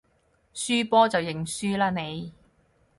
輸波就認輸啦你